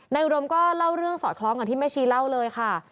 อุดมก็เล่าเรื่องสอดคล้องกับที่แม่ชีเล่าเลยค่ะ